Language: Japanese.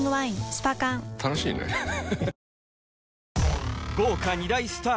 スパ缶楽しいねハハハ